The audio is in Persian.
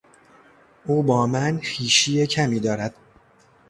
او با من خویشی کمی دارد.